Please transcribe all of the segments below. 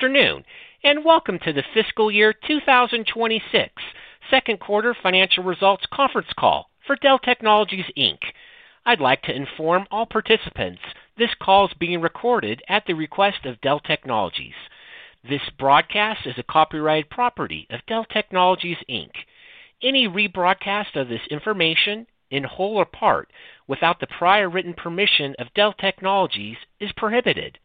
Good afternoon and welcome to the Fiscal Year 2026 Second Quarter Financial Results Conference Call for Dell Technologies, Inc. I'd like to inform all participants this call is being recorded at the request of Dell Technologies. This broadcast is a copyrighted property of Dell Technologies, Inc. Any rebroadcast of this information in whole or part without the prior written permission of Dell Technologies is prohibited.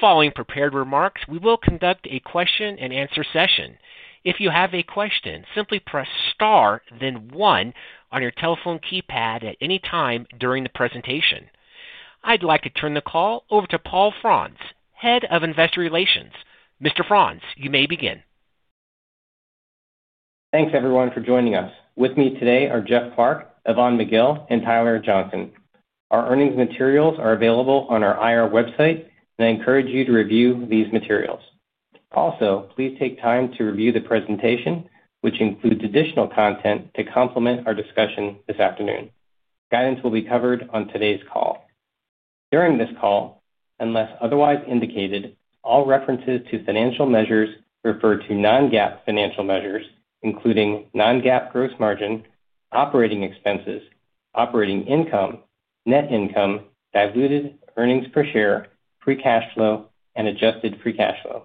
Following prepared remarks, we will conduct a question and answer session. If you have a question, simply press Star then one on your telephone keypad. At any time during the presentation, I'd like to turn the call over to Paul Frantz, Head of Investor Relations. Mr. Frantz, you may begin. Thanks everyone for joining us. With me today are Jeff Clarke, Yvonne McGill and Tyler Johnson. Our earnings materials are available on our IR website and I encourage you to review these materials. Also, please take time to review the presentation, which includes additional content to complement our discussion this afternoon. Guidance will be covered on today's call. During this call, unless otherwise indicated, all references to financial measures refer to non-GAAP financial measures, including non-GAAP gross margin, operating expenses, operating income, net income, diluted earnings per share, free cash flow and adjusted free cash flow.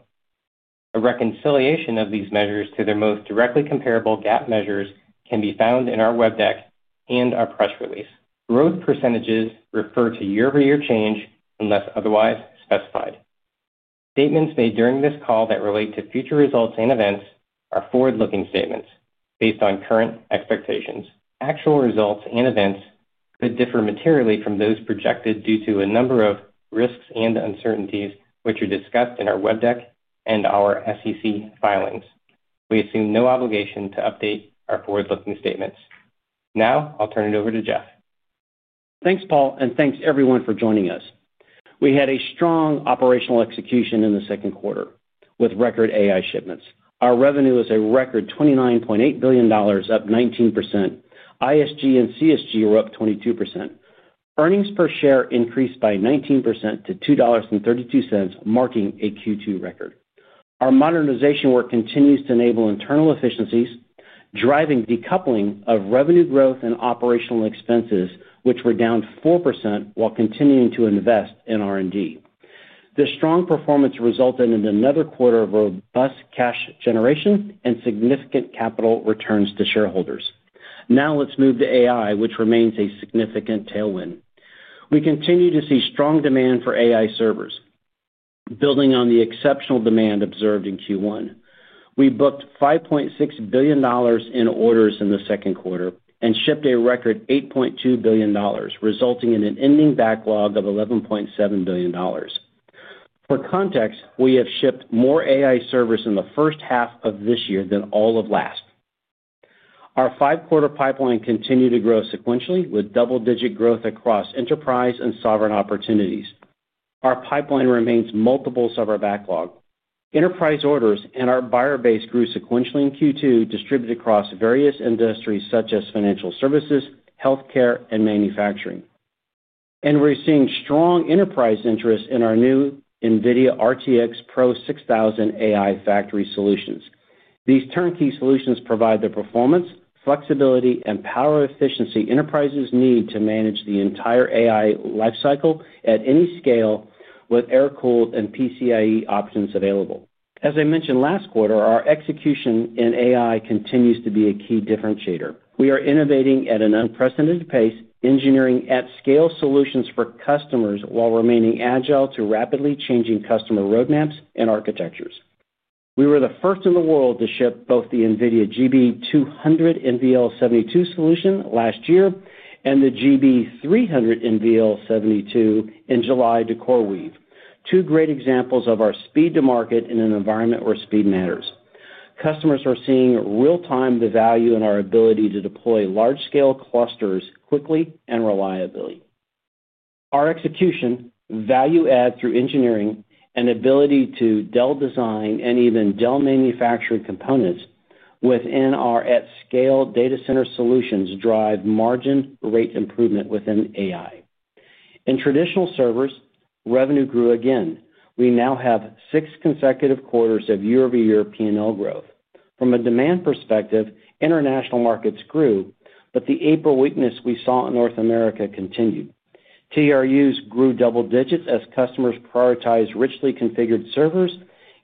A reconciliation of these measures to their most directly comparable GAAP measures can be found in our webdeck and our press release. Growth percentages refer to year-over-year change unless otherwise specified. Statements made during this call that relate to future results and events are forward-looking statements based on current expectations. Actual results and events could differ materially from those projected due to a number of risks and uncertainties which are discussed in our webdeck and our SEC filings. We assume no obligation to update our forward-looking statements. Now I'll turn it over to Jeff. Thanks Paul and thanks everyone for joining us. We had a strong operational execution in the second quarter with record AI shipments. Our revenue is a record $29.8 billion, up 19%. ISG and CSG were up 22%. Earnings per share increased by 19% to $2.32, marking a Q2 record. Our modernization work continues to enable internal efficiencies driving decoupling of revenue growth and operational expenses which were down 4% while continuing to invest in R&D. This strong performance resulted in another quarter of robust cash generation and significant capital returns to shareholders. Now let's move to AI, which remains a significant tailwind. We continue to see strong demand for AI servers. Building on the exceptional demand observed in Q1, we booked $5.6 billion in orders in the second quarter and shipped a record $8.2 billion, resulting in an ending backlog of $11.7 billion. For context, we have shipped more AI servers in the first half of this year than all of last. Our five quarter pipeline continued to grow sequentially with double digit growth across enterprise and sovereign opportunities. Our pipeline remains multiples of our backlog enterprise orders and our buyer base grew sequentially in Q2, distributed across various industries such as financial services, healthcare, and manufacturing. We're seeing strong enterprise interest in our new NVIDIA RTX Pro 6000 AI factory solutions. These turnkey solutions provide the performance, flexibility, and power efficiency enterprises need to manage the entire AI lifecycle at any scale, with air cooled and PCIe options available. As I mentioned last quarter, our execution in AI continues to be a key differentiator. We are innovating at an unprecedented pace, engineering at scale solutions for customers while remaining agile to rapidly changing customer roadmaps and architectures. We were the first in the world to ship both the NVIDIA GB200 NVL72 solution last year and the GB300 NVL72 in July to CoreWeave, two great examples of our speed to market. In an environment where speed matters, customers are seeing in real time the value in our ability to deploy large scale clusters quickly and reliably. Our execution, value add through engineering, and ability to Dell design and even Dell manufacture components within our at scale data center solutions drive margin rate improvement within AI. In traditional servers, revenue grew again. We now have six consecutive quarters of year-over-year P&L growth from a demand perspective. International markets grew, but the April weakness we saw in North America continued. Trust grew double digits as customers prioritized richly configured servers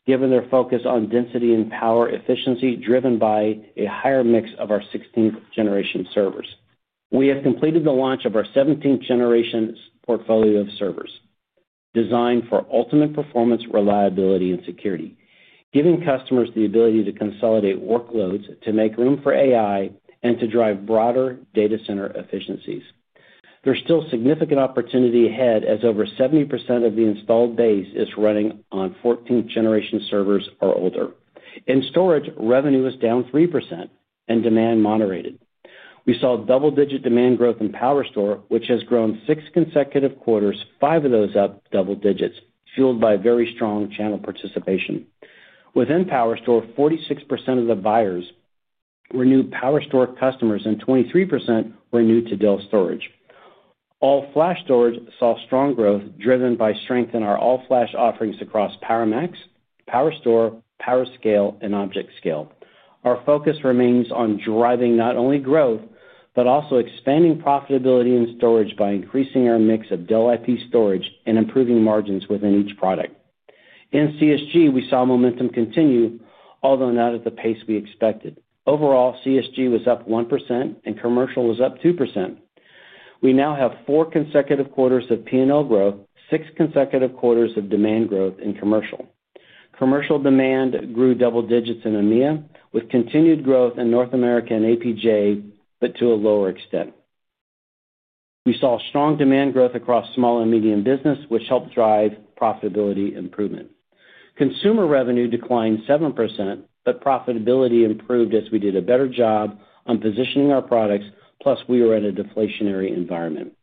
given their focus on density and power efficiency. Driven by a higher mix of our 16th generation servers, we have completed the launch of our 17th generation portfolio of servers designed for ultimate performance, reliability, and security, giving customers the ability to consolidate workloads to make room for AI and to drive broader data center efficiencies. There's still significant opportunity ahead as over 70% of the installed base is running on 14th generation servers or older. In storage, revenue was down 3% and demand moderated. We saw double-digit demand growth in PowerStore, which has grown six consecutive quarters, five of those up double digits, fueled by very strong channel participation. Within PowerStore, 46% of the buyers were new PowerStore customers and 23% were new to Dell storage. All-flash storage saw strong growth driven by strength in our all-flash offerings across PowerMax, PowerStore, PowerScale, and ObjectScale. Our focus remains on driving not only growth but also expanding profitability in storage. By increasing our mix of Dell IP storage and improving margins within each product in CSG, we saw momentum continue, although not at the pace we expected. Overall, CSG was up 1% and commercial was up 2%. We now have four consecutive quarters of P&L growth, six consecutive quarters of demand growth in commercial. Commercial demand grew double digits in EMEA with continued growth in North America and APJ. To a lower extent, we saw strong demand growth across small and medium business, which helped drive profitability improvement. Consumer revenue declined 7%, but profitability improved as we did a better job on positioning our products. Plus, we were in a deflationary environment.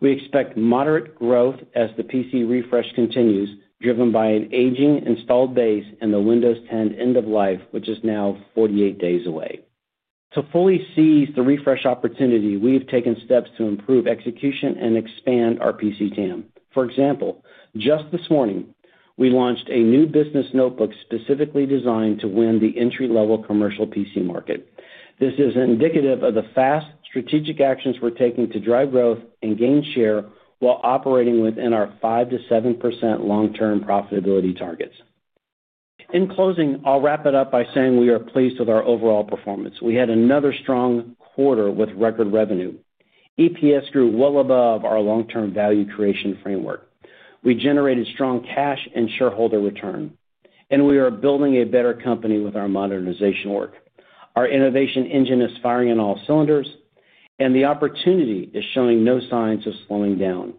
We expect moderate growth as the PC refresh continues, driven by an aging installed base and the Windows 10 end of life, which is now 48 days away. To fully seize the refresh opportunity, we have taken steps to improve execution and expand our PC TAM. For example, just this morning we launched a new business notebook specifically designed to win the entry-level commercial PC market. This is indicative of the fast strategic actions we're taking to drive growth and gain share while operating within our 5%-7% long-term profitability targets. In closing, I'll wrap it up by saying we are pleased with our overall performance. We had another strong quarter with record revenue. EPS grew well above our long-term value creation framework. We generated strong cash and shareholder return, and we are building a better company with our modernization work. Our innovation engine is firing on all cylinders, and the opportunity is showing no signs of slowing down.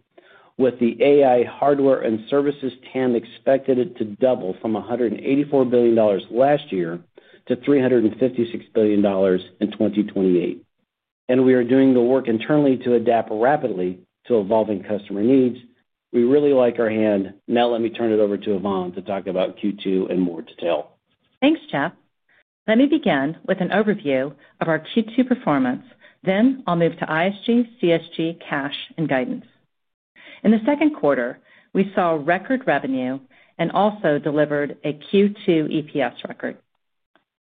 With the AI hardware and services TAM expected to double from $184 billion last year to $356 billion in 2028, we are doing the work internally to adapt rapidly to evolving customer needs. We really like our hand. Now let me turn it over to Yvonne to talk about Q2 in more detail. Thanks Jeff. Let me begin with an overview of our Q2 performance. Then I'll move to ISG, CSG, cash, and guidance. In the second quarter, we saw record revenue and also delivered a Q2 EPS record.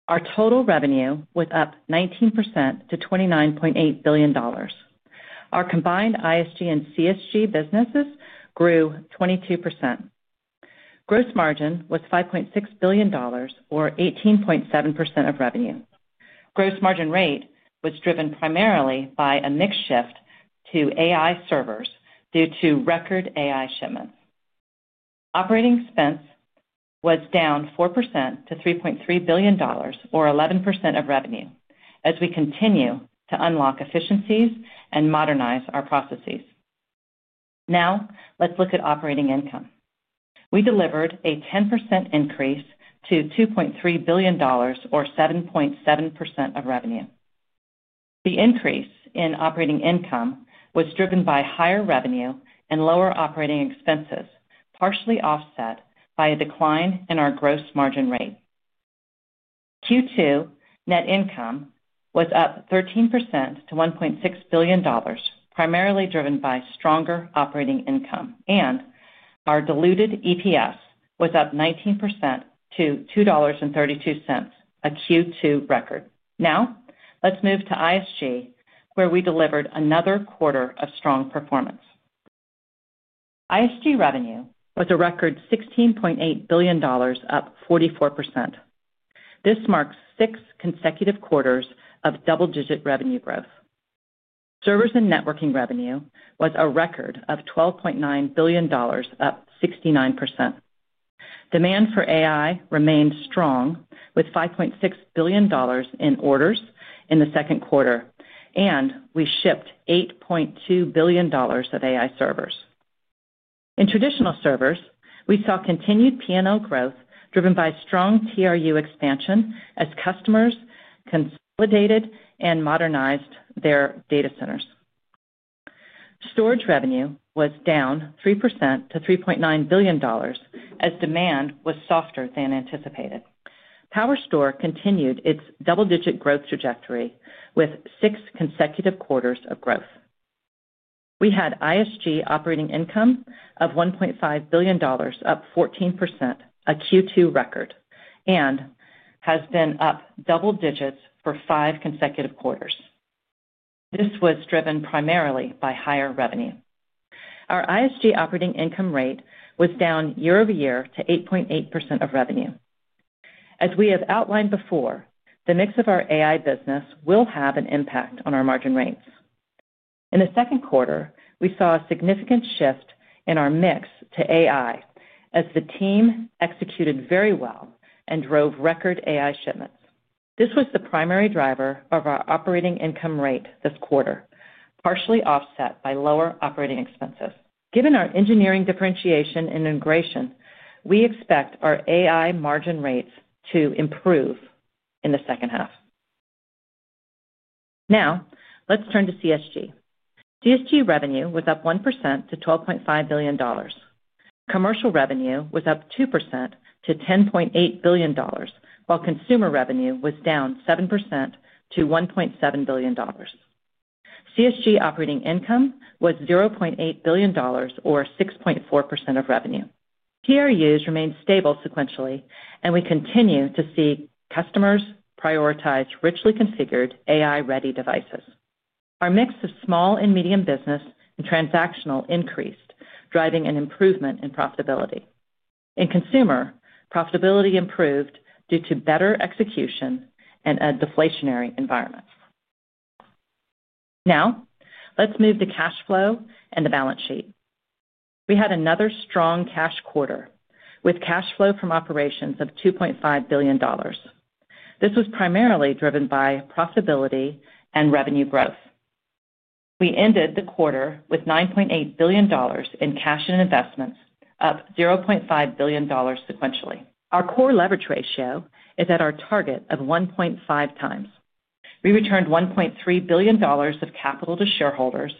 Our total revenue went up 19% to $29.8 billion. Our combined ISG and CSG businesses grew 22%. Gross margin was $5.6 billion or 18.7% of revenue. Gross margin rate was driven primarily by a mix shift to AI servers due to record AI shipments. Operating expense was down 4% to $3.3 billion or 11% of revenue as we continue to unlock efficiencies and modernize our processes. Now let's look at operating income. We delivered a 10% increase to $2.3 billion, or 7.7% of revenue. The increase in operating income was driven by higher revenue and lower operating expenses, partially offset by a decline in our gross margin rate. Q2 net income was up 13% to $1.6 billion, primarily driven by stronger operating income. Our diluted EPS was up 19% to $2.32, a Q2 record. Now let's move to ISG where we delivered another quarter of strong performance. ISG revenue was a record $16.8 billion, up 44%. This marks six consecutive quarters of double-digit revenue growth. Servers and networking revenue was a record $12.9 billion, up 69%. Demand for AI remained strong with $5.6 billion in orders in the second quarter, and we shipped $8.2 billion of AI servers. In traditional servers, we saw continued P&L growth driven by strong TRU expansion as customers consolidated and modernized their data centers. Storage revenue was down 3% to $3.9 billion as demand was softer than anticipated. PowerStore continued its double-digit growth trajectory with six consecutive quarters of growth. We had ISG operating income of $1.5 billion, up 14%, a Q2 record, and has been up double digits for five consecutive quarters. This was driven primarily by higher revenue. Our ISG operating income rate was down year-over-year to 8.8% of revenue. As we have outlined before, the mix of our AI business will have an impact on our margin rates. In the second quarter, we saw a significant shift in our mix to AI as the team executed very well and drove record AI shipment. This was the primary driver of our operating income rate this quarter, partially offset by lower operating expenses. Given our engineering differentiation integration, we expect our AI margin rates to improve in the second half. Now let's turn to CSG. CSG revenue was up 1% to $12.5 billion. Commercial revenue was up 2% to $10.8 billion, while consumer revenue was down 7% to $1.7 billion. CSG operating income was $0.8 billion or 6.4% of revenue. TRUs remained stable sequentially, and we continue to see customers prioritize richly configured AI ready devices. Our mix of small and medium business and transactional increased, driving an improvement in profitability in consumer. Profitability improved due to better execution and a deflationary environment. Now let's move to cash flow and the balance sheet. We had another strong cash quarter with cash flow from operations of $2.5 billion. This was primarily driven by profitability and revenue growth. We ended the quarter with $9.8 billion in cash and investments, up $0.5 billion sequentially. Our core leverage ratio is at our target of 1.5x. We returned $1.3 billion of capital to shareholders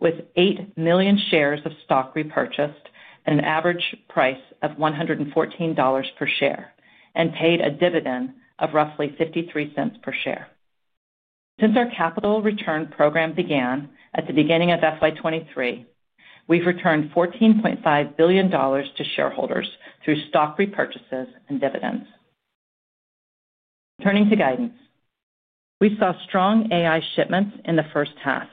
with 8 million shares of stock repurchased at an average price of $53 and paid a dividend of roughly $0.53 per share. Since our capital return program began at the beginning of fiscal year 2023, we've returned $14.5 billion to shareholders through stock repurchases and dividends. Turning to guidance, we saw strong AI shipments in the first half,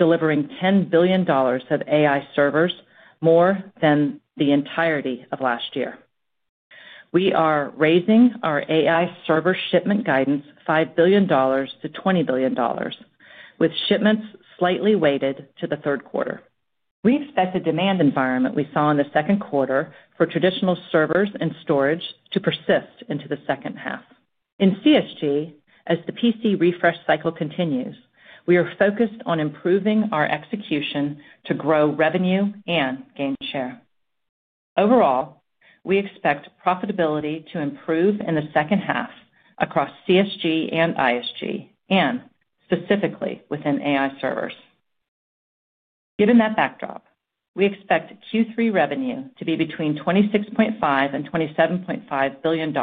delivering $10 billion of AI servers, more than the entirety of last year. We are raising our AI server shipment guidance $5 billion-$20 billion, with shipments slightly weighted to the third quarter. We expect the demand environment we saw in the second quarter for traditional servers and storage to persist into the second half in CSG. As the PC refresh cycle continues, we are focused on improving our execution to grow revenue and gain share. Overall, we expect profitability to improve in the second half across CSG and ISG, and specifically within AI servers. Given that backdrop, we expect Q3 revenue to be between $26.5 billion and $27.5 billion,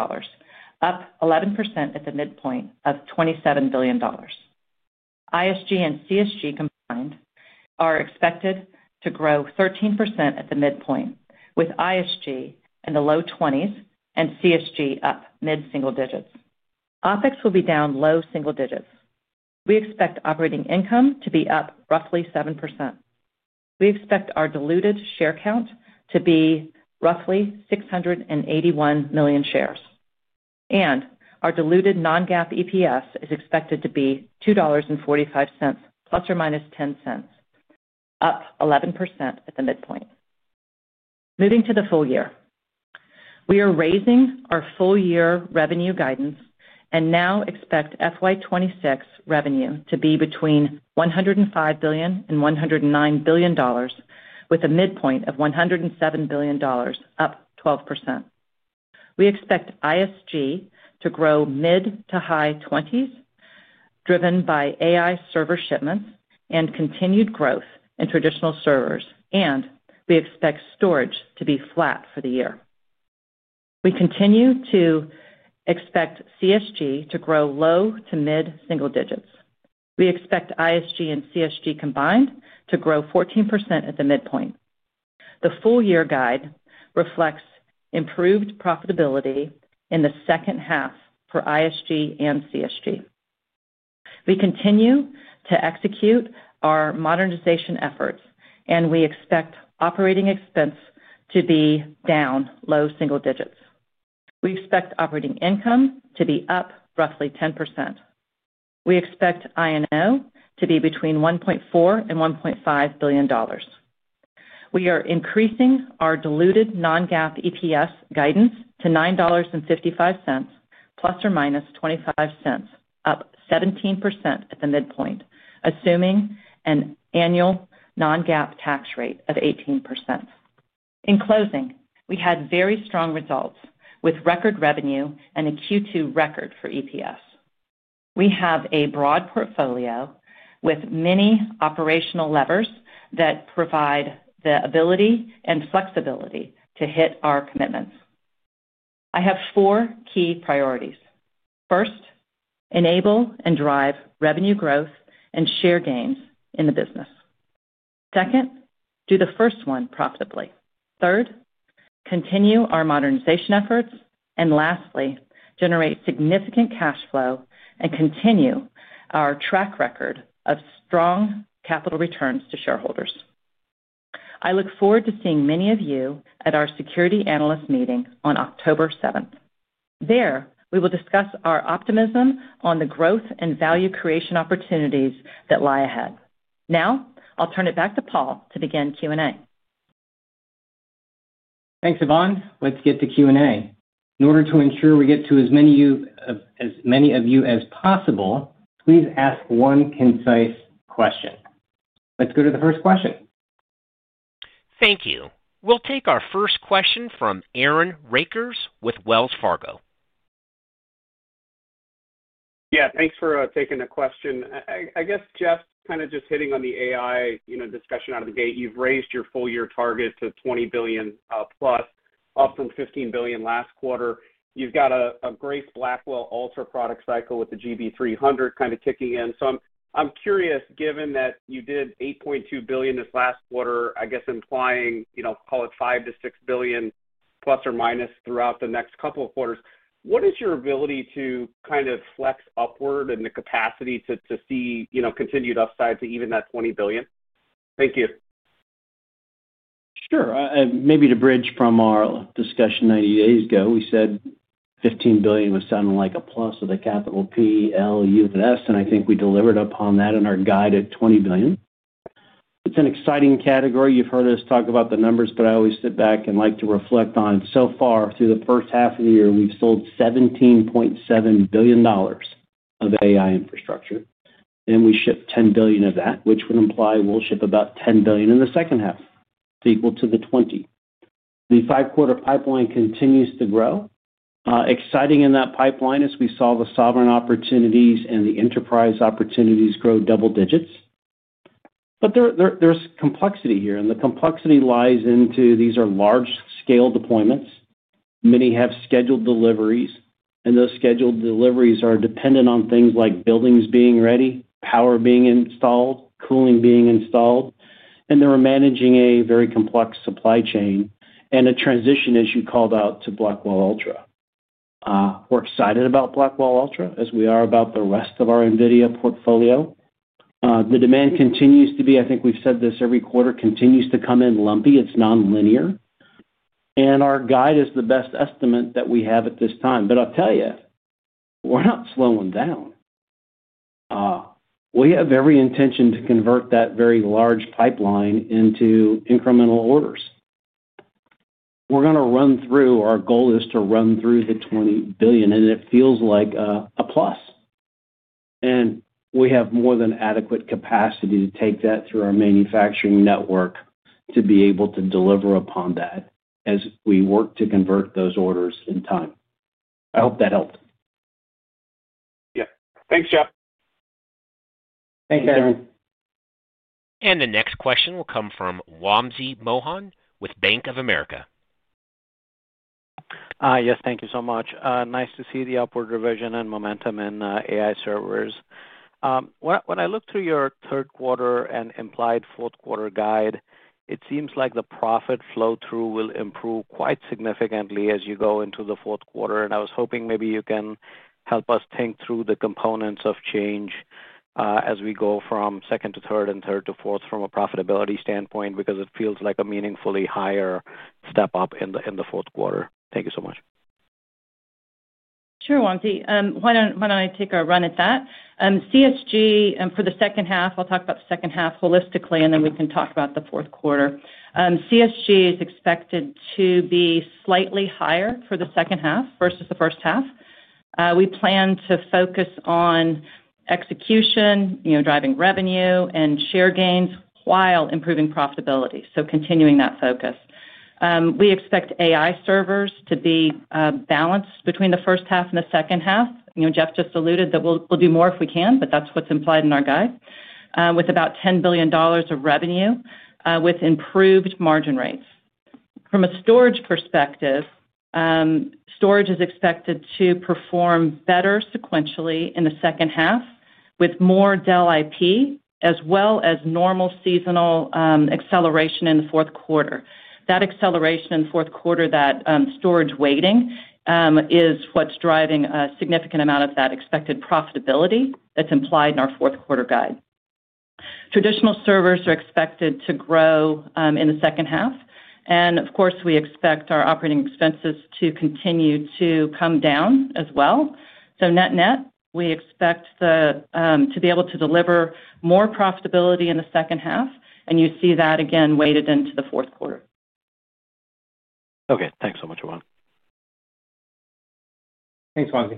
up 11% at the midpoint of $27 billion. ISG and CSG components are expected to grow 13% at the midpoint, with ISG in the low 20% range and CSG up mid single digits. OpEx will be down low single digits. We expect operating income to be up roughly 7%. We expect our diluted share count to be roughly 681 million shares, and our diluted non-GAAP EPS is expected to be $2.45 ±$0.10, up 11% at the midpoint. Moving to the full year, we are raising our full year revenue guidance and now expect fiscal year 2026 revenue to be between $105 billion and $109 billion, with a midpoint of $107 billion, up 12%. We expect ISG to grow mid-to-high 20% range driven by AI server shipments and continued growth in traditional servers, and we expect storage to be flat for the year. We continue to expect CSG to grow low-to-mid single digits. We expect ISG and CSG combined to grow 14% at the midpoint. The full-year guide reflects improved profitability in the second half for ISG and CSG. We continue to execute our modernization efforts, and we expect operating expense to be down low single digits. We expect operating income to be up roughly 10%. We expect OI to be between $1.4 billion and $1.5 billion. We are increasing our diluted non-GAAP EPS guidance to $9.55 ±$0.25, up 17% at the midpoint, assuming an annual non-GAAP tax rate of 18%. In closing, we had very strong results with record revenue and a Q2 record for EPS. We have a broad portfolio with many operational levers that provide the ability and flexibility to hit our commitments. I have four key priorities. First, enable and drive revenue growth and share gains in the business. Second, do the first one profitably. Third, continue our modernization efforts, and lastly, generate significant cash flow and continue our track record of strong capital returns to shareholders. I look forward to seeing many of you at our Security Analyst Meeting on October 7th. There we will discuss our optimism on the growth and value creation opportunities that lie ahead. Now I'll turn it back to Paul to begin Q&A. Thanks, Yvonne. Let's get to Q and A. In order to ensure we get to as many of you as possible, please ask one concise question. Let's go to the first question. Thank you. We'll take our first question from Aaron Rakers with Wells Fargo. Yeah, thanks for taking the question. I guess. Jeff, kind of just hitting on the AI discussion out of the gate, you've raised your full year target to $20 billion plus, up from $15 billion last quarter. You've got a Grace Blackwell Ultra product cycle with the GB300 kind of kicking in. I'm curious, given that you did $8.2 billion this last quarter, I guess implying, call it $5 billion-$6 billion± throughout the next couple of quarters, what is your ability to kind of flex upward in the capacity to see continued upside to even that $20 billion? Thank you. Sure. Maybe to bridge from our discussion, 90 days ago we said $15 billion was sounding like a plus of the capital P, L, U, S. I think we delivered upon that in our guide at $20 billion. It's an exciting category. You've heard us talk about the numbers, but I always sit back and like to reflect on so far through the first half of the year, we've sold $17.7 billion of AI infrastructure and we shipped $10 billion of that, which would imply we'll ship about $10 billion in the second half, equal to the $20 billion. The five quarter pipeline continues to grow. Exciting in that pipeline as we saw the sovereign opportunities and the enterprise opportunities grow double digits. There is complexity here and the complexity lies in these are large scale deployments, many have scheduled deliveries and those scheduled deliveries are dependent on things like buildings being ready, power being installed, cooling being installed, and we're managing a very complex supply chain. A transition, as you called out, to Blackwell Ultra. We're excited about Blackwell Ultra as we are about the rest of our NVIDIA portfolio. The demand continues to be, I think we've said this every quarter, continues to come in lumpy, it's nonlinear, and our guide is the best estimate that we have at this time. I'll tell you, we're not slowing down. We have every intention to convert that very large pipeline into incremental orders we're going to run through. Our goal is to run through the $20 billion and it feels like a plus. We have more than adequate capacity to take that through our manufacturing network to be able to deliver upon that as we work to convert those orders in time. I hope that helped. Yeah. Thanks, Jeff. Thanks. The next question will come from Wamsi Mohan with Bank of America. Yes, thank you so much. Nice to see the upward revision and momentum in AI servers. When I look through your third quarter and implied fourth quarter guidelines, it seems like the profit flow through will improve quite significantly as you go into the fourth quarter. I was hoping maybe you can help us think through the components of change as we go from second to third and third to fourth from a profitability standpoint, because it feels like a meaningfully higher step up in the fourth quarter. Thank you so much. Sure. Wamsi, why don't I take a run at that CSG for the second half. I'll talk about second half holistically and then we can talk about the fourth quarter. CSG is expected to be slightly higher for the second half versus the first half. We plan to focus on execution, driving revenue and share gains while improving profitability. Continuing that focus, we expect AI servers to be balanced between the first half and the second half. Jeff just alluded that we'll do more if we can, but that's what's implied in our guide. With about $10 billion of revenue with improved margin rates from a storage perspective, storage is expected to perform better sequentially in the second half with more Dell IP as well as normal seasonal acceleration in the fourth quarter. That acceleration in fourth quarter, that storage weighting is what's driving a significant amount of that expected profitability that's implied in. Our fourth quarter guidelines. Traditional servers are expected to grow in the second half, and of course we expect our operating expenses to continue to come down as well. Net net, we expect to be able to deliver more profitability in the second half, and you see that again weighted into the fourth quarter. Okay, thanks so much, Yvonne. Thanks, Wamsi.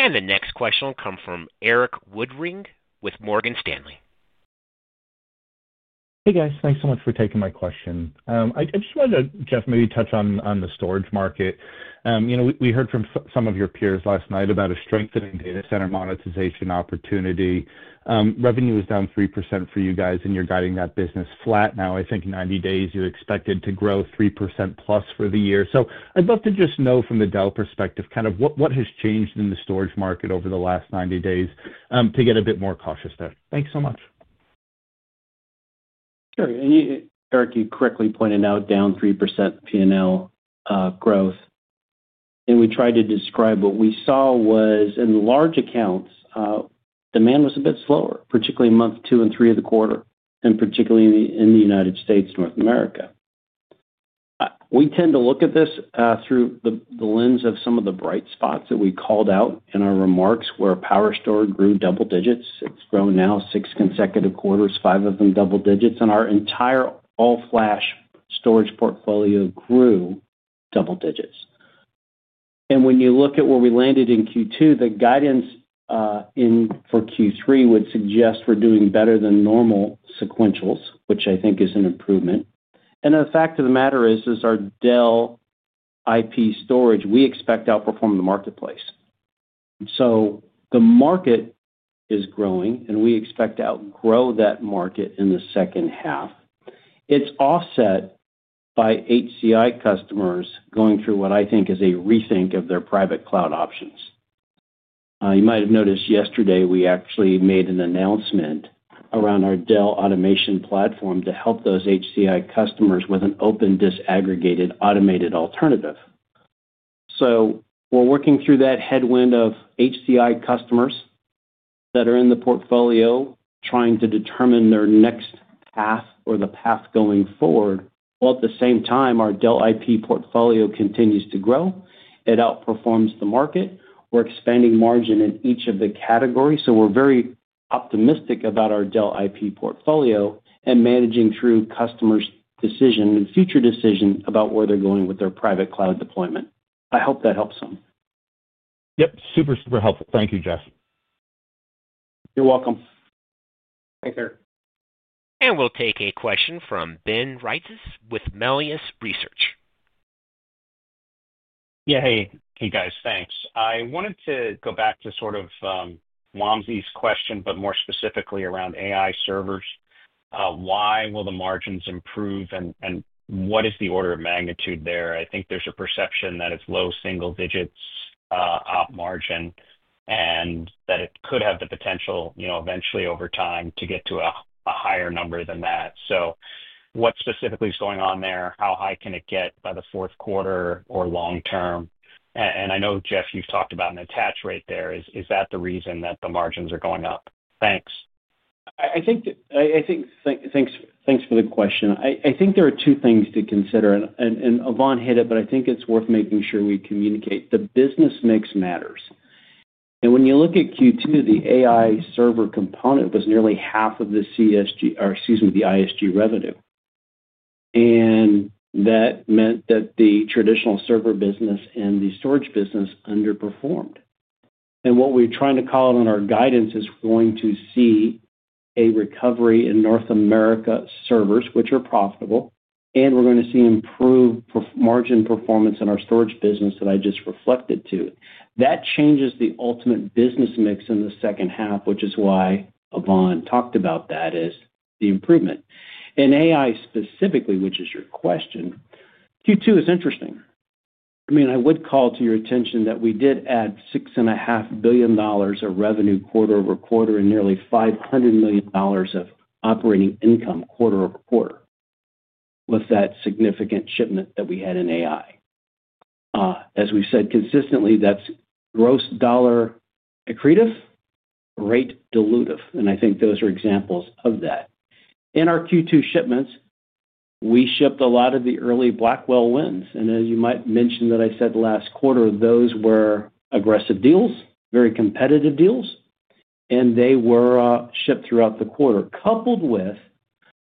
The next question will come from Erik Woodring with Morgan Stanley. Hey guys, thanks so much for taking my question. I just wanted to, Jeff, maybe touch on the storage market. You know, we heard from some of your peers last night about a strengthening data center monetization opportunity. Revenue is down 3% for you guys and you're guiding that business flat now. I think 90 days ago you expected to grow 3%+ for the year. I'd love to just know from the Dell perspective kind of what has changed in the storage market over the last 90 days to get a bit more cautious there. Thanks so much, Erik. You correctly pointed out down 3% P&L growth. We tried to describe what we saw was in large accounts, demand was a bit slower, particularly month 2 and 3 of the quarter and particularly in the United States, North America. We tend to look at this through the lens of some of the bright spots that we called out in our remarks. PowerStore grew double digits, it's grown now six consecutive quarters, five of them double digits. Our entire all-flash storage portfolio grew double digits. When you look at where we landed in Q2, the guidance for Q3 would suggest we're doing better than normal sequentials, which I think is an improvement. The fact of the matter is our Dell IP storage, we expect to outperform the marketplace. The market is growing and we expect to outgrow that market in the second half. It's offset by HCI customers going through what I think is a rethink of their private cloud options. You might have noticed yesterday we actually made an announcement around our Dell automation platform to help those HCI customers with an open disaggregated automated alternative. We're working through that headwind of HCI customers that are in the portfolio trying to determine their next path or the path going forward, while at the same time our Dell IP portfolio continues to grow. It outperforms the market. We're expanding margin in each of the categories. We're very optimistic about our Dell IP portfolio and managing through customers' decision and future decision about where they're going with their private cloud deployment. I hope that helps some. Yep, super, super helpful. Thank you, Jeff. You're welcome. Thanks, Erik. We'll take a question from Ben Reitzes with Melius Research. Yeah.Hey guys, thanks. I wanted to go back to sort of Wamsi's question, but more specifically around AI servers, why will the margins improve and what is the order of magnitude there? I think there's a perception that it's low single digits OP margin and that it could have the potential, you know, eventually over time to get to a higher number than that. What specifically is going on there? How high can it get by the fourth quarter or long term? I know Jeff, you've talked about an attach rate there. Is that the reason that the margins are going up? Thanks. Thanks for the question. I think there are two things to consider and Yvonne hit it. I think it's worth making sure we communicate the business mix matters. When you look at Q2, the AI server component was nearly half of the ISG revenue. That meant that the traditional server business and the storage business underperformed. What we're trying to call out on our guidance is we're going to see a recovery in North America servers, which are profitable, and we're going to see improved margin performance in our storage business. That changes the ultimate business mix in the second half, which is why Yvonne talked about that as the improvement in AI specifically, which is your question. Q2 is interesting. I would call to your attention that we did add $6.5 billion of revenue quarter-over-quarter and nearly $500 million of operating income quarter-over-quarter with that significant shipment that we had in AI. As we said consistently, that's gross dollar accretive, rate dilutive. I think those are examples of that. In our Q2 shipments we shipped a lot of the early Blackwell wins. As you might mention, I said last quarter those were aggressive deals, very competitive deals, and they were shipped throughout the quarter. Coupled with that,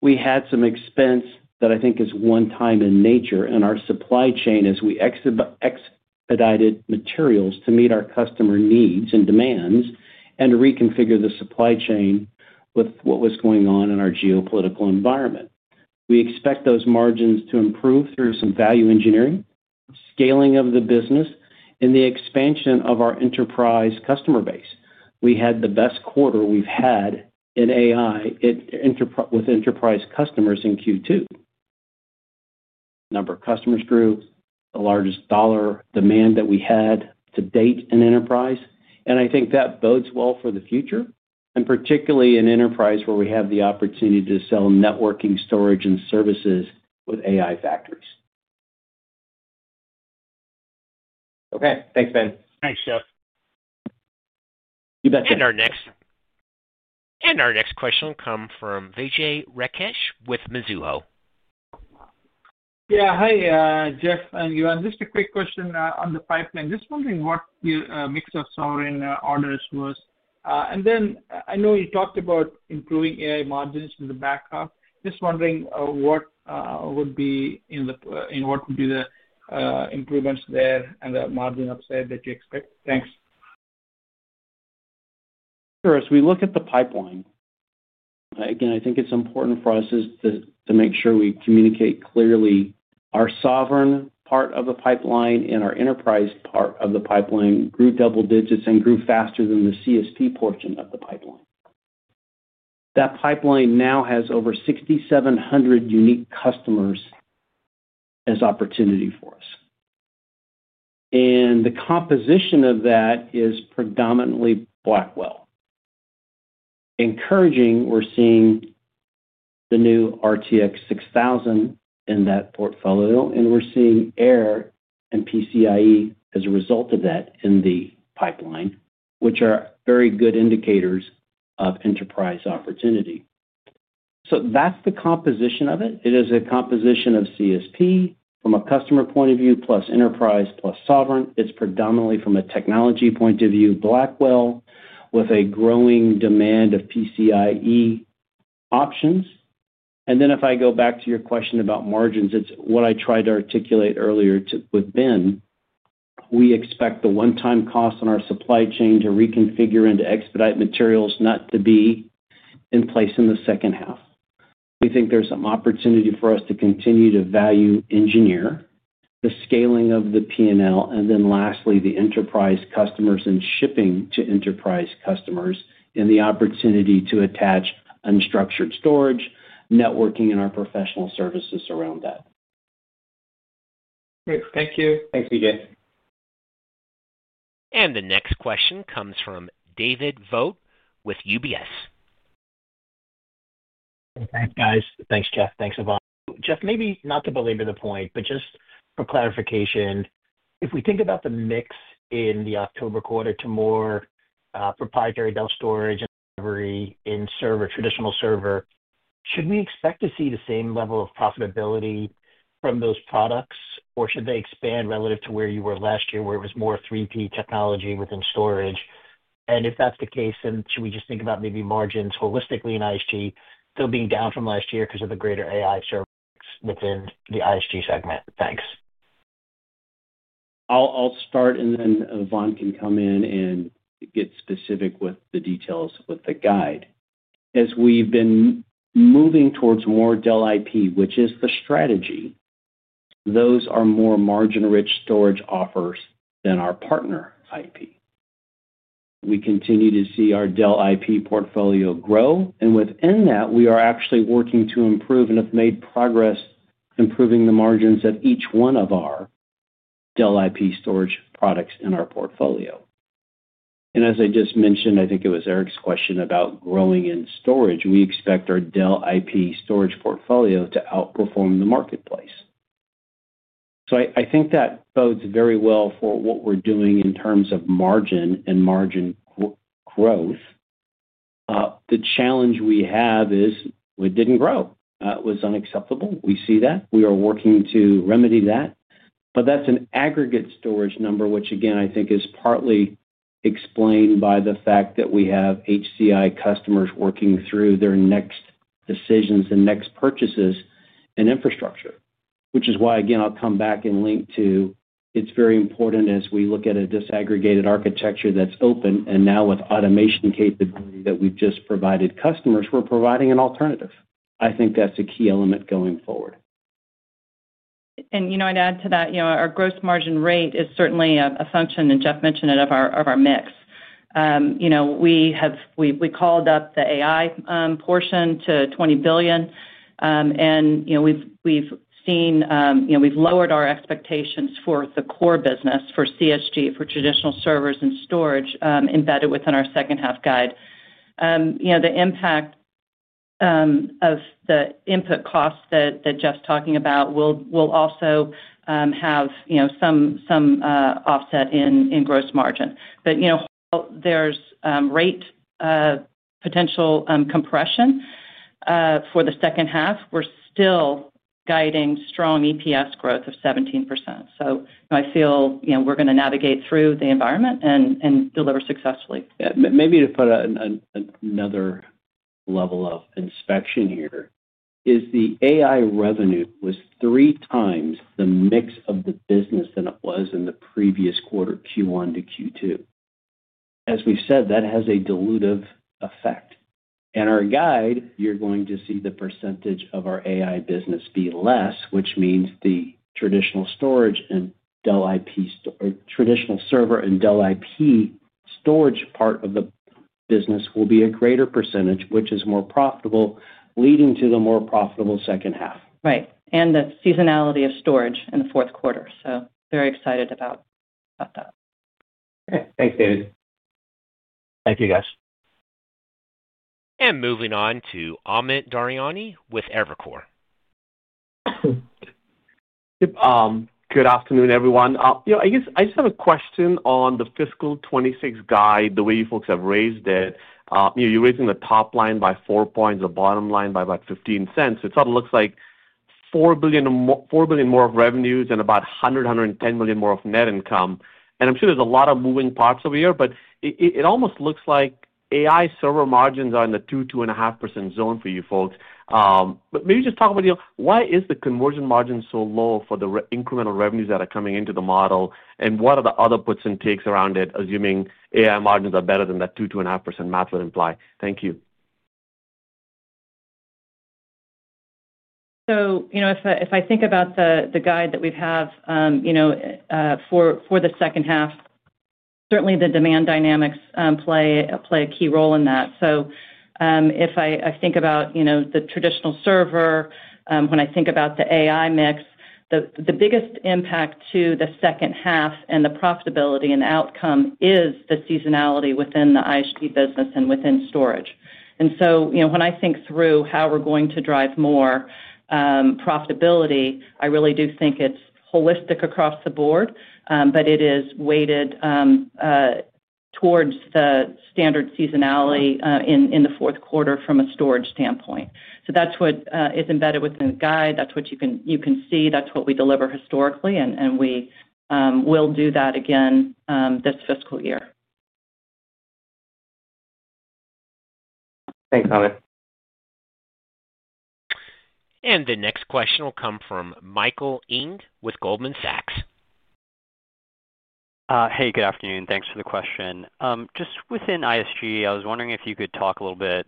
we had some expense that I think is one time in nature in our supply chain as we expedited materials to meet our customer needs and demands and to reconfigure the supply chain with what was going on in our geopolitical environment. We expect those margins to improve through some value engineering, scaling of the business, and the expansion of our enterprise customer base. We had the best quarter we've had in AI with enterprise customers in Q2. Number of customers grew, the largest dollar demand that we had to date in enterprise. I think that bodes well for the future, particularly in enterprise where we have the opportunity to sell networking, storage, and services with AI factories. Okay, thanks. Thanks, Jeff. You bet. You're in our next. Our next question will come from Vijay Rakesh with Mizuho. Yeah, hi Jeff and Johan, just a quick question on the pipeline. Just wondering what your mix of sovereign orders was. I know you talked about improving AI margins in the back half. Just wondering what would be the improvements there and the margin upside that you expect. Thanks. Sure. As we look at the pipeline again, I think it's important for us to make sure we communicate clearly. Our sovereign part of the pipeline and our enterprise part of the pipeline grew double digits and grew faster than the CSP portion of the pipeline. That pipeline now has over 6,700 unique customers as opportunity for and the composition of that is predominantly Blackwell, encouraging. We're seeing the new RTX 6000 in that portfolio and we're seeing air and PCIe as a result of that in the pipeline, which are very good indicators of enterprise opportunity. That's the composition of it. It is a composition of CSP from a customer point of view plus enterprise plus sovereign. It's predominantly from a technology point of view Blackwell, with a growing demand of PCIe options. If I go back to your question about margins, it's what I tried to articulate earlier with Ben. We expect the one-time cost on our supply chain to reconfigure and expedite materials not to be in place in the second half. We think there's some opportunity for us to continue to value engineer the scaling of the P&L and then lastly the enterprise customers and shipping to enterprise customers and the opportunity to attach unstructured storage, networking, and our professional services around that. Thank you. Thanks, Vijay. The next question comes from David Vogt with UBS. Thanks, guys. Thanks, Jeff. Thanks a lot, Jeff. Maybe not to belabor the point, but just for clarification, if we think about the mix in the October quarter to more proprietary Dell storage delivery in server, traditional server, should we expect to see the same level of profitability from those products or should they expand relative to where you were last year, where it was more 3P technology within storage? If that's the case, then should we just think about maybe margins holistically in ISG still being down from last year because of the greater AI server within the ISG segment? Thanks. I'll start and then Yvonne can come in and get specific with the details with the guide. As we've been moving towards more Dell IP, which is the strategy, those are more margin-rich storage offers than our partner IP. We continue to see our Dell IP portfolio grow, and within that we are actually working to improve and have made progress improving the margins of each one of our Dell IP storage products in our portfolio. As I just mentioned, I think it was Erik's question about growing in storage. We expect our Dell IP storage portfolio to outperform the marketplace. I think that bodes very well for what we're doing in terms of margin and margin growth. The challenge we have is it didn't grow, it was unacceptable. We see that we are working to remedy that. That's an aggregate storage number, which again, I think is partly explained by the fact that we have HCI customers working through their next decisions and next purchases in infrastructure, which is why, again, I'll come back and link to it. It's very important as we look at a disaggregated architecture that's open and now with automation capability that we've just provided customers, we're providing an alternative. I think that's a key element going forward. I'd add to that, our gross margin rate is certainly a function, and Jeff mentioned it, of our mix. We called up the AI portion to $20 billion, and we've seen we've lowered our expectations for the core business for CSG, for traditional servers and storage embedded within our second half guide. The impact of the input costs that Jeff's talking about will also have some offset in gross margin, but there's rate potential compression for the second half. We're still guiding strong EPS growth of 17%. I feel we're going to navigate through the environment and deliver successfully. Maybe to put another level of inspection, here is the AI revenue was three times the mix of the business than it was in the previous quarter, Q1 to Q2. As we said, that has a dilutive effect. In our guide, you're going to see the percentage of our AI business be less, which means the traditional server and Dell IP storage part of the business will be a greater percentage, which is more profitable, leading to the more profitable second half. Right. The seasonality of storage in the fourth quarter. Very excited about that. Thanks, David. Thank you guys. Moving on to Amit Daryanani with Evercore. Good afternoon, everyone. I guess I just have a question on the fiscal year 2026 guide. The way you folks have raised it, you're raising the top line by 4 points, the bottom line by about $0.15. It's what it looks like. $4 billion more of revenues and about $100 million, $110 million more of net income. I'm sure there's a lot of moving parts over here. It almost looks like AI server margins are in the 2%, 2.5% zone for you folks. Maybe just talk about why is the conversion margin so low for the incremental revenues that are coming into the model and what are the other puts and takes around it? Assuming AI margins are better than that 2%, 2.5% math would imply. Thank you. If I think about the guide that we have for the second half, certainly the demand dynamics play a key role in that. If I think about the traditional server, when I think about the AI mix, the biggest impact to the second half and the profitability and outcome is the seasonality within the ISG business and within storage. When through how we're going to drive more profitability, I really do think it's holistic across the board. It is weighted towards the standard seasonality in the fourth quarter from a storage standpoint. That's what is embedded within guide. That's what you can see, that's what we deliver historically and we will do that again this fiscal year. Thanks, Amit. The next question will come from Michael Ng with Goldman Sachs. Hey, good afternoon. Thanks for the question. Just within ISG, I was wondering if you could talk a little bit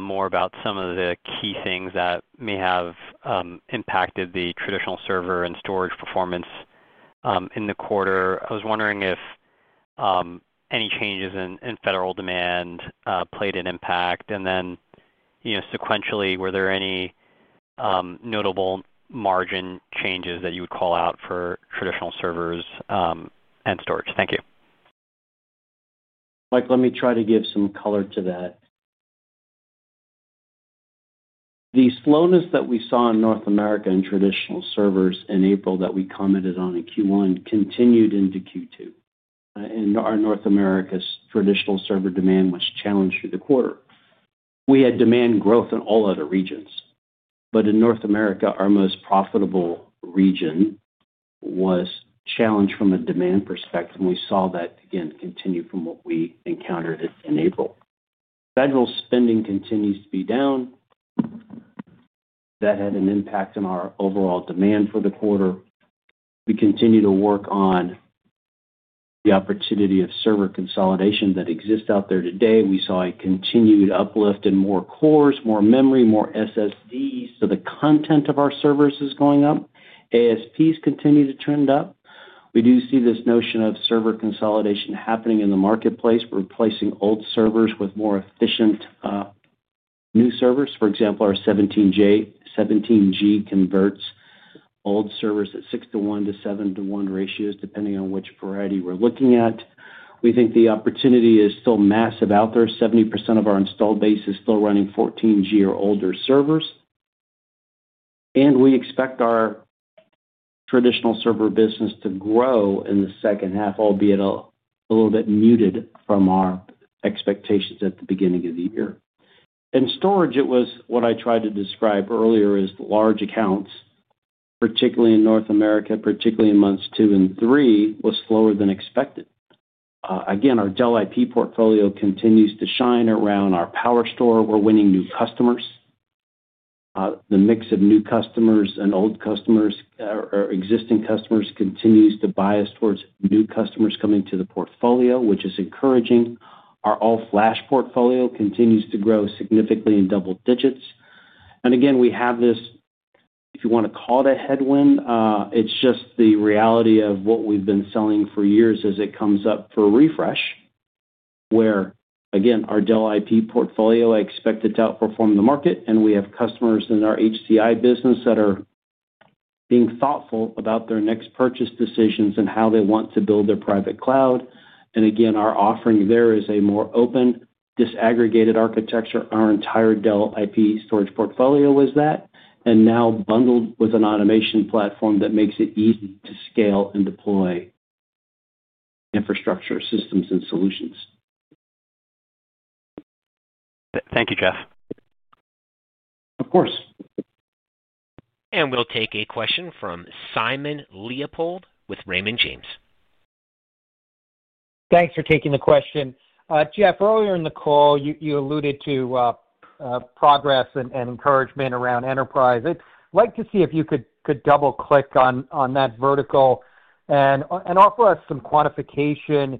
more about some of the key things that may have impacted the traditional server and storage performance in the quarter. I was wondering if any changes in federal demand played an impact and then, you know, sequentially, were there any notable margin changes that you would call out for traditional servers and storage. Thank you, Mike. Let me try to give some color to that. The slowness that we saw in North America in traditional servers in April that we commented on in Q1 continued into Q2 too, and our North America's traditional server demand was challenged through the quarter. We had demand growth in all other regions, but in North America, our most profitable region was challenged from a demand perspective. We saw that again continue from what we encountered in April. Federal spending continues to be down. That had an impact on our overall demand for the quarter. We continue to work on the opportunity of server consolidation that exists out there today. We saw a continued uplift in more cores, more memory, more SSDs, so the content of our servers is going up. ASPs continue to trend up. We do see this notion of server consolidation happening in the marketplace, replacing old servers with more efficient new servers. For example, our 17G converts old servers at 6 to 1 to 7 to 1 ratios, depending on which variety we're looking at. We think the opportunity is still massive out there. 70% of our installed base is still running 14G or older servers, and we expect our traditional server business to grow in the second half, albeit a little bit muted from our expectations at the beginning of the year. In storage, it was what I tried to describe earlier as the large accounts, particularly in North America, particularly in months two and three, was slower than expected. Our Dell IP portfolio continues to shine around our PowerStore. We're winning new customers. The mix of new customers and old customers or existing customers continues to bias towards new customers coming to the portfolio, which is encouraging. Our all-flash portfolio continues to grow significantly in double digits, and again we have this, if you want to call it a headwind, it's just the reality of what we've been selling for years as it comes up for refresh where again our Dell IP portfolio, I expect it to outperform the market. We have customers in our HCI business that are being thoughtful about their next purchase decisions and how they want to build their private cloud. Our offering there is a more open, disaggregated architecture. Our entire Dell IP storage portfolio was that, and now bundled with an automation platform that makes it easy to scale and deploy infrastructure systems and solutions. Thank you, Jeff. Of course. We'll take a question from Simon Leopold with Raymond James. Thanks for taking the question, Jeff. Earlier in the call you alluded to progress and encouragement around enterprise. I'd like to see if you could double click on that vertical and offer us some quantification.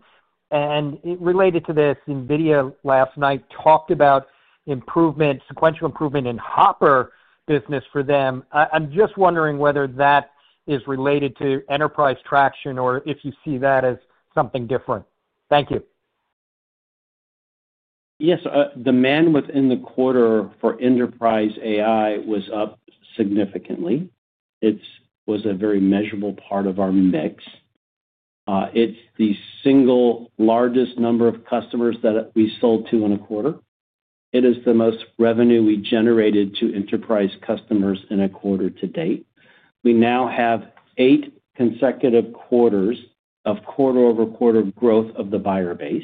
Related to this, NVIDIA last night talked about improvement, sequential improvement in Hopper business for them. I'm just wondering whether that is related to enterprise traction or if you see that as something different. Thank you. Yes, demand within the quarter for enterprise AI was up significantly. It was a very measurable part of our mix. It's the single largest number of customers that we sold to in a quarter. It is the most revenue we generated to enterprise customers in a quarter to date. We now have eight consecutive quarters of quarter-over-quarter growth of the buyer base.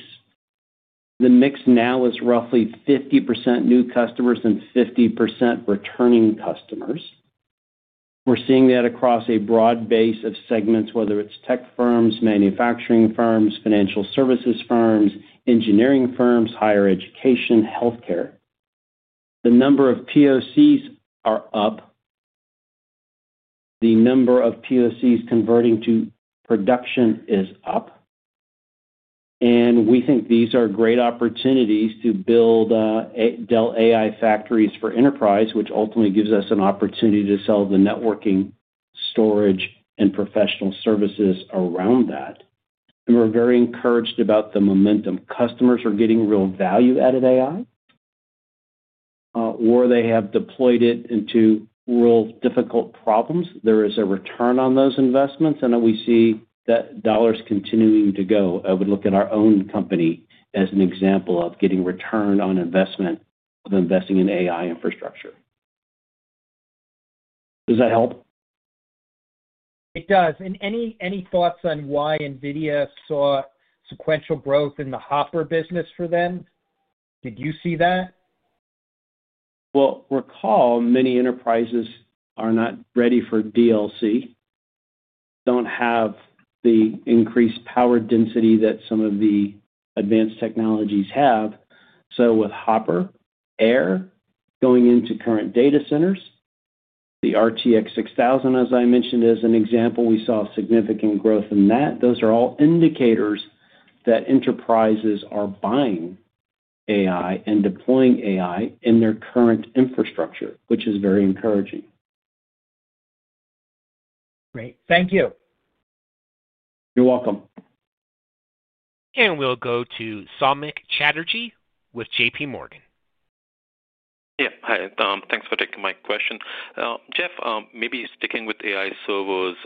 The mix now is roughly 50% new customers and 50% returning customers. We're seeing that across a broad base of segments, whether it's tech firms, manufacturing firms, financial services firms, engineering firms, higher education, healthcare. The number of PoCs are up, the number of PoCs converting to production is up. We think these are great opportunities to build Dell AI factories for enterprise, which ultimately gives us an opportunity to sell the networking, storage, and professional services around that. We're very encouraged about the momentum. Customers are getting real value-added AI or they have deployed it into real difficult problems. There is a return on those investments, and we see that dollars continuing to go. I would look at our own company as an example of getting return on investment with investing in AI infrastructure. Does that help? It does. Any thoughts on why NVIDIA saw sequential growth in the Hopper business for them? Did you see that? Recall many enterprises are not ready for DLC, don't have the increased power density that some of the advanced technologies have. With Hopper air going into current data centers, the RTX 6000 as I mentioned as an example, we saw significant growth in that. Those are all indicators that enterprises are buying AI and deploying AI in their current infrastructure, which is very encouraging. Great, thank you. You're welcome. We'll go to Samik Chatterjee with JPMorgan. Yeah, hi, thanks for taking my question, Jeff. Maybe sticking with AI servers.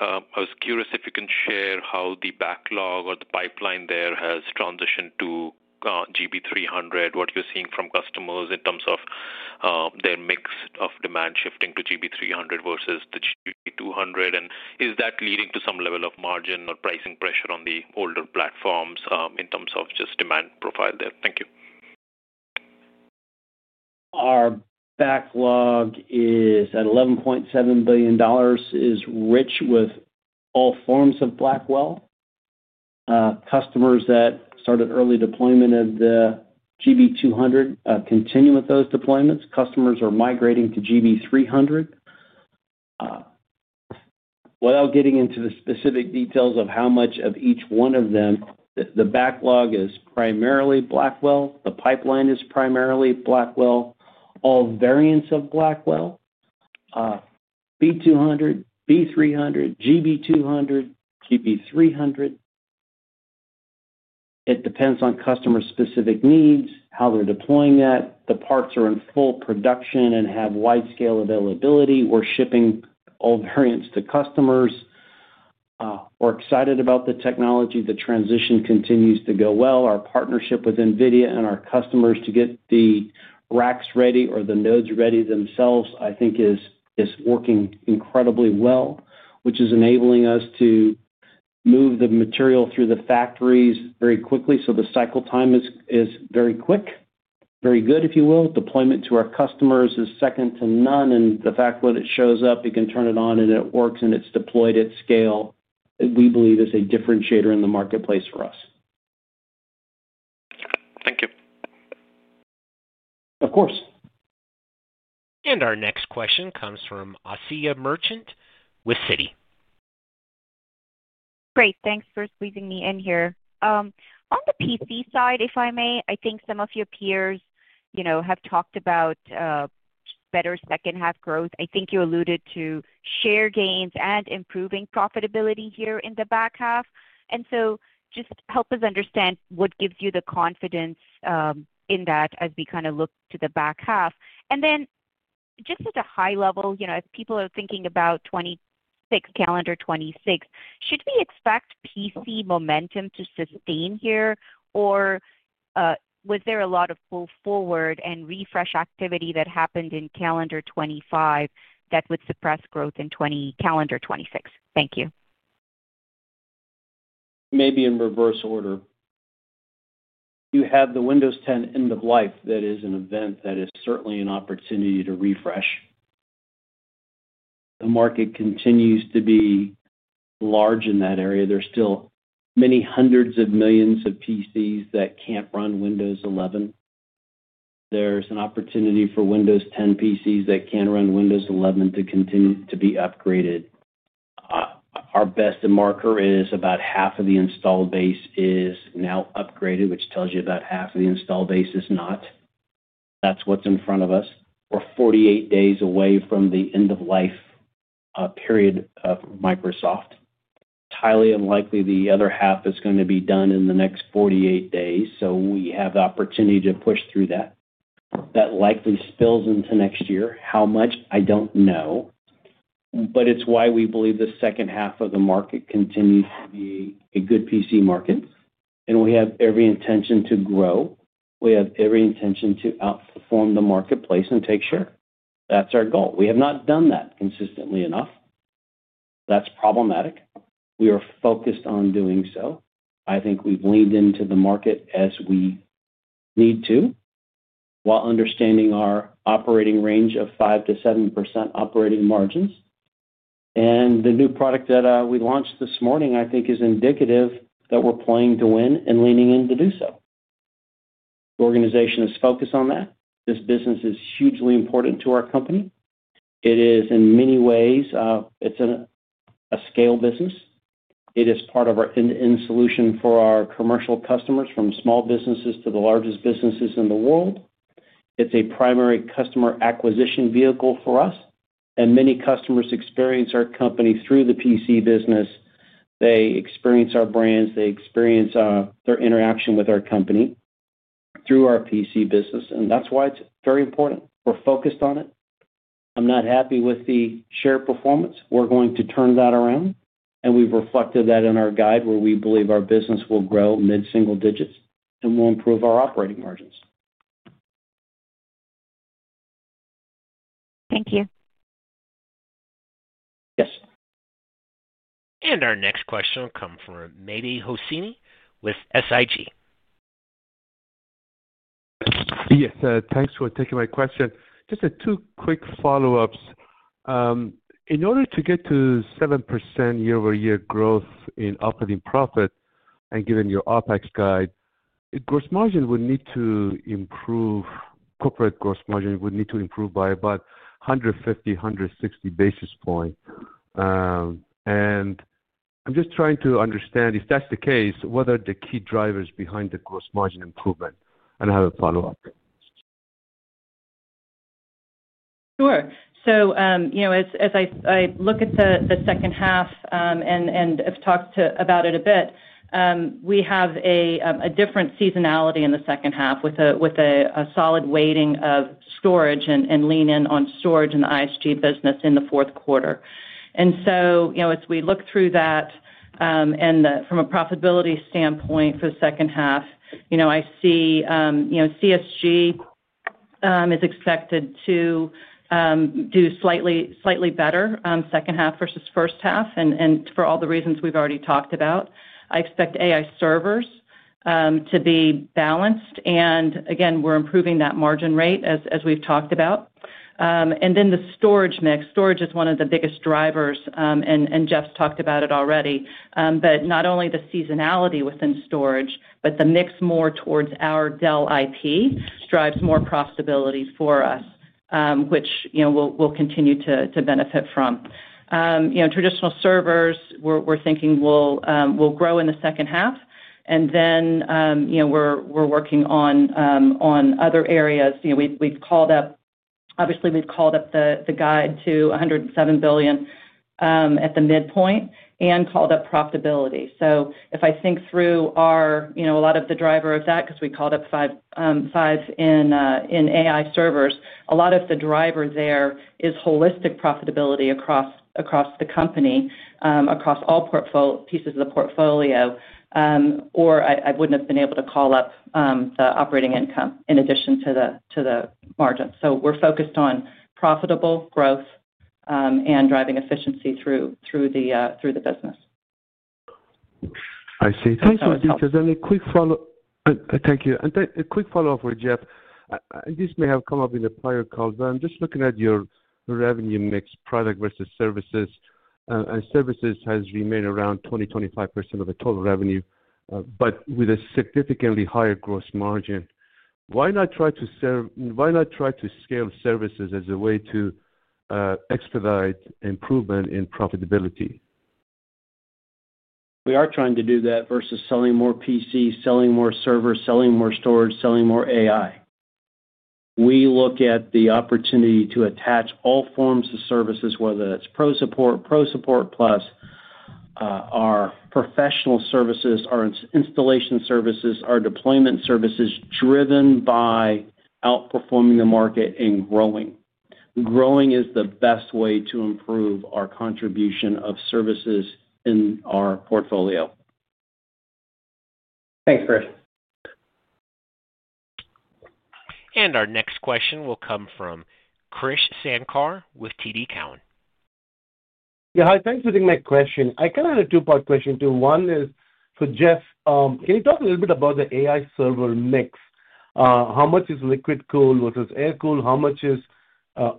I was curious if you can share how the backlog or the pipeline there has transitioned to GB300. What you're seeing from customers in terms of their mix of demand shifting to GB300 versus the GB200 and is that leading to some level of margin or pricing pressure on the older platforms in terms of just demand profile there? Thank you. Our backlog is at $11.7 billion, is rich with all forms of Blackwell. Customers that started early deployment of the GB200 continue with those deployments. Customers are migrating to GB300 without getting into the specific details of how much of each one of them. The backlog is primarily Blackwell, the pipeline is primarily Blackwell. All variants of Blackwell, B200, B300, GB200, GB300. It depends on customer specific needs, how they're deploying, that the parts are in full production and have wide scale availability. We're shipping all variants to customers. We're excited about the technology. The transition continues to go well. Our partnership with NVIDIA and our customers to get the racks ready or the nodes ready themselves I think is working incredibly well, which is enabling us to move the material through the factories very quickly. The cycle time is very quick, very good if you will. Deployment to our customers is second to none. The fact that it shows up, you can turn it on and it works and it's deployed at scale we believe is a differentiator in the marketplace for us. Thank you. Of course. Our next question comes from Asiya Merchant with Citi. Great, thanks for squeezing me in here. On the PC side, if I may, I think some of your peers have talked about better second half growth. I think you alluded to share gains and improving profitability here in the back half. Just help us understand what gives you the confidence in that as we kind of look to the back half. At a high level, if people are thinking about 2026, should we expect PC momentum to sustain here or was there a lot of pull forward and refresh activity that happened in 2025 that would suppress growth in 2026. Thank you. Maybe in reverse order, you have the Windows 10 end of life. That is an event that is certainly an opportunity to refresh. The market continues to be large in that area. There's still many hundreds of millions of PCs that can't run Windows 11. There's an opportunity for Windows 10 PCs that can run Windows 11 to continue to be upgraded. Our best marker is about half of the installed base is now upgraded, which tells you about half of the installed base is not. That's what's in front of us. We're 48 days away from the end of life period of Microsoft. Highly unlikely the other half is going to be done in the next 48 days. We have the opportunity to push through that. That likely spills into next year. How much I don't know. It's why we believe the second half of the market continues, the good PC market. We have every intention to grow. We have every intention to outperform the marketplace and take share. That's our goal. We have not done that consistently enough. That's problematic. We are focused on doing so. I think we've leaned into the market as we need to while understanding our operating range of 5%-7% operating margins. The new product that we launched this morning I think is indicative that we're playing to win and leaning in to do so. The organization is focused on that. This business is hugely important to our company. In many ways, it's a scale business. It is part of our end-to-end solution for our commercial customers, from small businesses to the largest businesses in the world. It's a primary customer acquisition vehicle for us. Many customers experience our company through the PC business. They experience our brands, they experience their interaction with our company through our PC business. That's why it's very important we're focused on it. I'm not happy with the share performance. We're going to turn that around, and we've reflected that in our guide where we believe our business will grow mid single digits and will improve our operating margins. Thank you. Yes. Our next question will come from Mehdi Hosseini with SIG. Yes, thanks for taking my question. Just two quick follow-ups. In order to get to 7% year-over-year growth in operating profit and given your OpEx guide, gross margin would need to improve. Corporate gross margin would need to improve by about 150, 160 basis points. I'm just trying to understand if that's the case, what are the key drivers behind the gross margin improvement. I have a follow-up. Sure. As I look at the second half and have talked about it a bit, we have a different seasonality in the second half with a solid weighting of storage and lean in on storage in the ISG business in the fourth quarter. As we look through that and from a profitability standpoint for the second half, I see CSG is expected to do slightly better second half versus first half. For all the reasons we've already talked about, I expect AI servers to be balanced. Again, we're improving that margin rate as we've talked about. The storage mix, storage is one of the biggest drivers and Jeff's talked about it already. Not only the seasonality within storage, but the mix more towards our Dell IP drives more profitability for us, which we'll continue to benefit from. Traditional servers we're thinking will grow in the second half. We're working on other areas we've called up. Obviously, we've called up The Guide to $107 billion at the midpoint and called up profitability. If I think through a lot of the driver of that because we called up $5 billion in AI servers, a lot of the driver there is holistic profitability across the company, across all pieces of the portfolio or I wouldn't have been able to call up the operating income in addition to the margin. We're focused on profitable growth and driving efficiency through the business. I see. Thank you. And a quick follow-up for Jeff. This may have come up in a prior call, but I'm just looking at your revenue mix. Product versus services, and services has remained around 20%-25% of the total revenue, but with a significantly higher gross margin. Why not try to scale services as a way to expedite improvement in profitability? We are trying to do that versus selling more PC, selling more servers, selling more storage, selling more AI. We look at the opportunity to attach all forms of services, whether that's ProSupport, ProSupport Plus, our professional services, our installation services, our deployment services, driven by outperforming the market and growing. Growing is the best way to improve our contribution of services in our portfolio. Thanks Jeff. Our next question will come from Krish Sankar with TD Cowen. Yeah, hi, thanks for taking my question. I kind of had a two-part question too. One is for Jeff. Can you talk a little bit about the AI server mix? How much is liquid cooled versus air cooled? How much is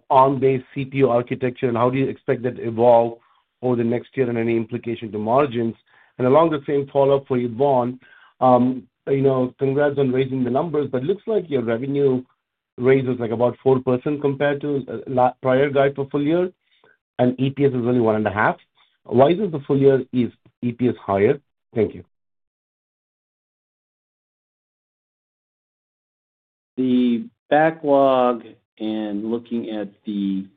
on base CTO architecture and how do you expect that to evolve over the next year and any implications to margins? Along the same follow-up for Yvonne, congrats on raising the numbers, but it looks like your revenue raise is about 4% compared to prior guide for full year and EPS is only one and a half. Why isn't the full year EPS higher? Thank you. The backlog and looking at the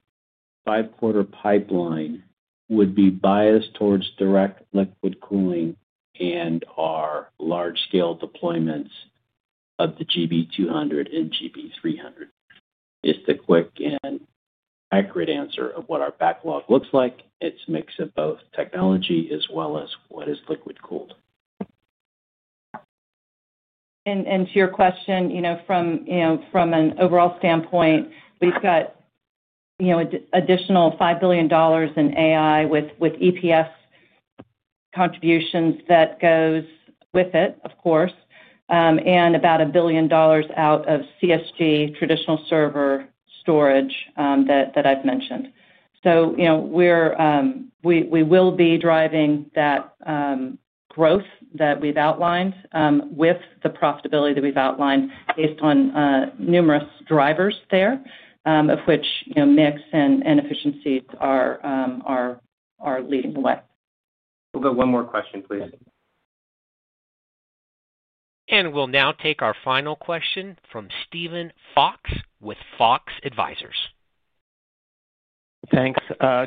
five-quarter pipeline would be biased towards direct liquid cooling, and our large-scale deployments of the GB200 and GB300 is the quick and accurate answer of what our backlog looks like. It's a mix of both technology as well as what is liquid cooled. To your question, from an overall standpoint we've got additional $5 billion in AI with EPS contributions that goes with it of course and about $1 billion out of CSG traditional server storage that I've mentioned. We will be driving that growth that we've outlined with the profitability that we've outlined based on numerous drivers there, of which mix and efficiency are leading the left. We'll go one more question, please. We'll now take our final question from Steven Fox with Fox Advisors. Thanks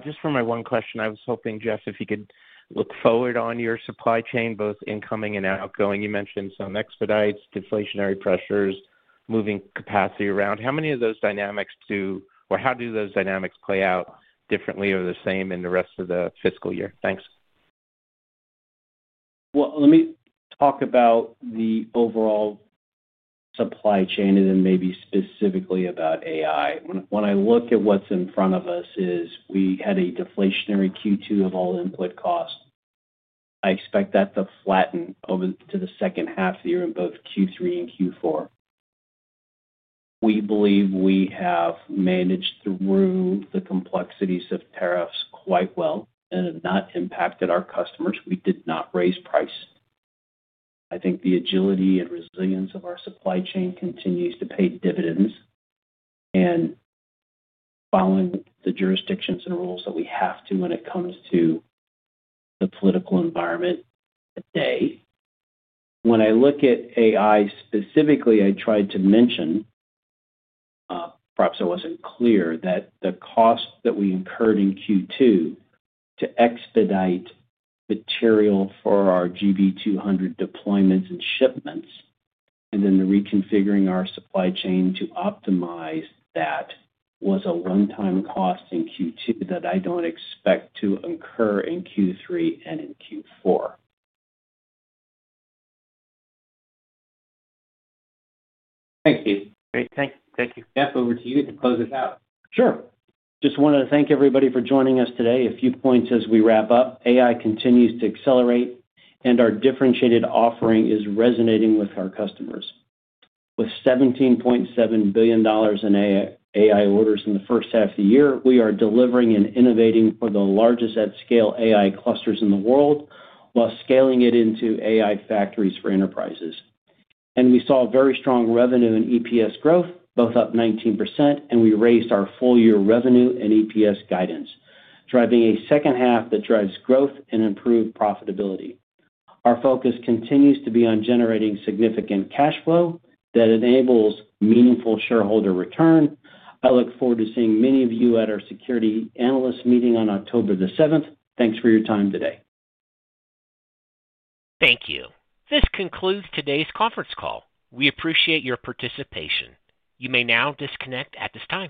just for my one question. I was hoping Jeff, if you could look forward on your supply chain both incoming and outgoing. You mentioned some expedites, deflationary pressures, moving capacity around. How do those dynamics play out differently or the same in the rest of the fiscal year? Thanks. Let me talk about the overall supply chain and then maybe specifically about AI. When I look at what's in front of us, we had a deflationary Q2 of all input costs. I expect that to flatten over to the second half, so you're in both Q3 and Q4. We believe we have managed through the complexities of tariffs quite well and have not impacted our customers. We did not raise price. I think the agility and resilience of our supply chain continues to pay the dividends and following the jurisdictions and rules that we have to when it comes to the political environment today. When I look at AI specifically, I tried to mention, perhaps I wasn't clear, that the cost that we incurred in Q2 to expedite material for our GB200 deployments and shipments and then the reconfiguring our supply chain to optimize that was a one-time cost in Q2 that I don't expect to incur in Q3 and in Q4. Thanks, Jeff. Great, thanks. Thank you. Paul, over to you to close this out. Sure. Just wanted to thank everybody for joining us today. A few points as we wrap up. AI continues to accelerate and our differentiated offering is resonating with our customers with $17.7 billion in AI orders in the first half of the year. We are delivering and innovating for the largest at-scale AI clusters in the world while scaling it into AI factor for enterprises. We saw very strong revenue and EPS growth, both up 19%. We raised our full year revenue and EPS guidance, driving a second half that drives growth and improved profitability. Our focus continues to be on generating significant cash flow that enables meaningful shareholder return. I look forward to seeing many of you at our security analyst meeting on October 7th. Thanks for your time today. Thank you. This concludes today's conference call. We appreciate your participation. You may now disconnect at this time.